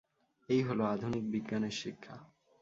এই হল আধুনিক বিজ্ঞানের শিক্ষা।